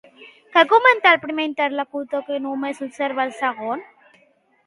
Què comenta el primer interlocutor que només observa el segon?